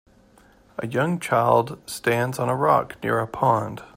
A young child stands on a rock near a pond.